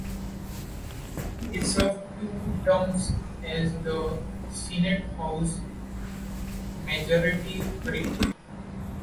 He served two terms as the Senate House Majority Whip.